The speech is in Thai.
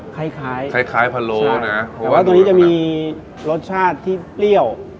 คล้ายคล้ายคล้ายคล้ายพะโล่นะฮะเพราะว่าตัวนี้จะมีรสชาติที่เปรี้ยว